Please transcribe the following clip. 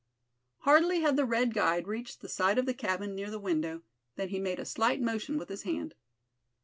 Hardly had the red guide reached the side of the cabin near the window, than he made a slight motion with his hand.